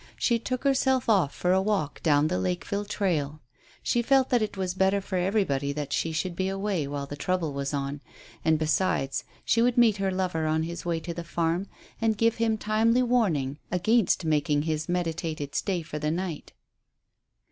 She took herself off for a walk down the Lakeville trail. She felt that it was better for everybody that she should be away while the trouble was on, and, besides, she would meet her lover on his way to the farm, and give him timely warning against making his meditated stay for the night.